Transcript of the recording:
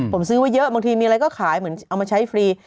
ผมซื้อไว้เยอะบางทีมีอะไรก็ขายเหมือนเอามาใช้ฟรี